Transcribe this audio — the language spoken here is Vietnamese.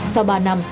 sau ba năm